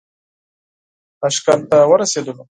تاشکند ته ورسېدلو.